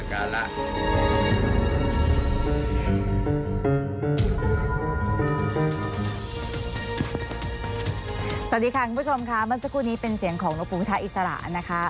สวัสดีค่ะคุณผู้ชมค่ะเมื่อสักครู่นี้เป็นเสียงของหลวงภูมิท้าอิสระนะคะ